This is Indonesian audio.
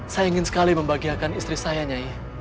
saya ingin sekali membagiakan istri saya nyai